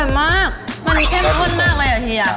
อร่อยมากมันแค่เมื่อเกินมากเลยเหรอเฮีย